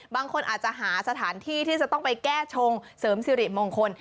บางคนอาจจะหาสถานที่ที่จะต้องไปแก้ชงเสริมสิริมงคล